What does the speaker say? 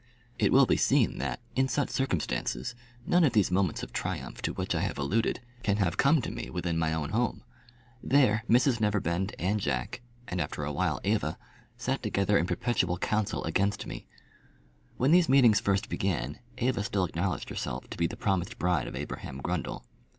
It will be seen that, in such circumstances, none of these moments of triumph to which I have alluded can have come to me within my own home. There Mrs Neverbend and Jack, and after a while Eva, sat together in perpetual council against me. When these meetings first began, Eva still acknowledged herself to be the promised bride of Abraham Grundle.